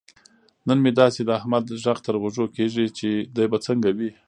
نن مې داسې د احمد غږ تر غوږو کېږي. چې دی به څنګه وي.